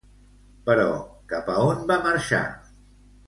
Però, cap a on va marxar?